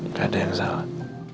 nggak ada yang salah